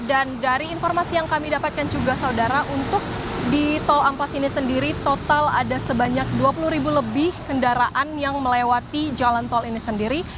dan dari informasi yang kami dapatkan juga saudara untuk di tol amplas ini sendiri total ada sebanyak dua puluh ribu lebih kendaraan yang melewati jalan tol ini sendiri